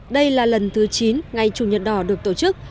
đây là lần thứ chín ngày chủ nhật đỏ được tổ chức